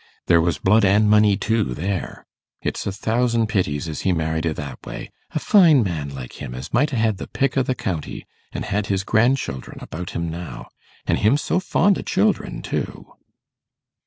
There was blood an' money too, there. It's a thousand pities as he married i' that way a fine man like him, as might ha' had the pick o' the county, an' had his grandchildren about him now. An' him so fond o' children, too.